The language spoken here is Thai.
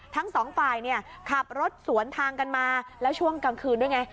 ทั้ง๒ฝ่ายขับรถสวนทางกันมาและช่วงกลางคืนด้วยไง